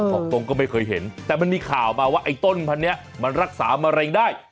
บอกตรงก็ไม่เคยเห็นแต่มันมีข่าวมาว่าไอ้ต้นพันธุ์นี้มันรักษามะเร็งได้